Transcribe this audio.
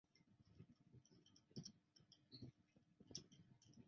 孤独星球出版社创立。